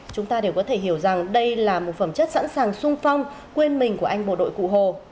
chúng ta đều có thể hiểu rằng đây là một phẩm chất sẵn sàng sung phong quên mình của anh bộ đội cụ hồ